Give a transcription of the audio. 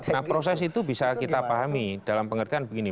nah proses itu bisa kita pahami dalam pengertian begini